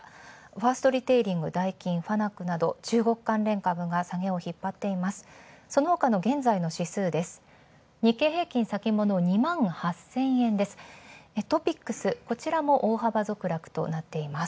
ファーストリテイリング、ダイキン、ファナックなど中国関連株が下げを引っ張っています。